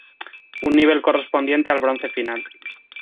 Un nivel correspondiente al bronce final.